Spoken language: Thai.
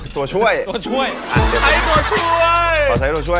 ตัวตัวช่วย